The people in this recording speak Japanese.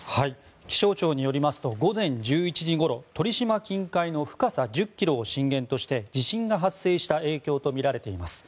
気象庁によりますと午前１１時ごろ鳥島近海の深さ１０ｋｍを震源として地震が発生した影響とみられています。